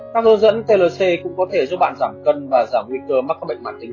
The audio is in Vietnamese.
các hướng dẫn tlc cũng có thể giúp bạn giảm cân và giảm nguy cơ mắc các bệnh mạng tính